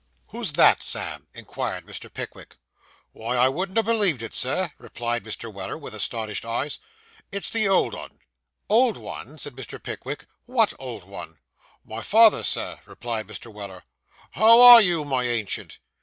'Who's that, Sam?' inquired Mr. Pickwick. 'Why, I wouldn't ha' believed it, Sir,' replied Mr. Weller, with astonished eyes. 'It's the old 'un.' 'Old one,' said Mr. Pickwick. 'What old one?' 'My father, sir,' replied Mr. Weller. 'How are you, my ancient?